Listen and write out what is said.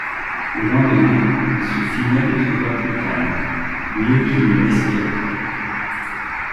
Le lendemain, Monsieur Finet le trouva plus calme, mieux qu’il ne l’espérait.